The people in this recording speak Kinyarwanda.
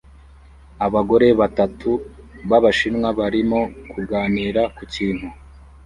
Abagore batatu b'Abashinwa barimo kuganira ku kintu